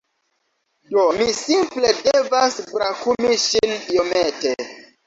Do, mi simple devas brakumi ŝin iomete